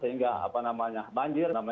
sehingga apa namanya banjir